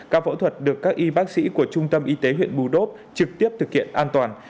các phẫu thuật được các y bác sĩ của trung tâm y tế huyện bù đốp trực tiếp thực hiện an toàn